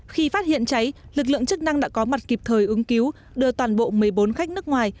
khi phát hiện cháy lực lượng chức năng đã có mặt kịp thời ứng cứu đưa toàn bộ một mươi bốn khách nước ngoài